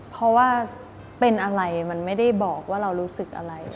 เพราะว่าเป็นอะไรมันไม่ได้บอกว่าเรารู้สึกอะไร